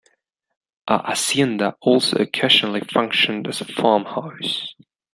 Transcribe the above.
A Hacienda also occasionally functioned as a farmhouse.